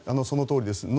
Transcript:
そのとおりです。